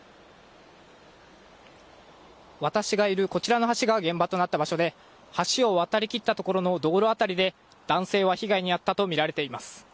私がいる、こちらの橋が現場となった場所で橋を渡りきったところの道路辺りで男性は被害に遭ったとみられています。